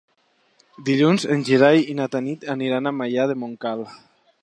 Dilluns en Gerai i na Tanit aniran a Maià de Montcal.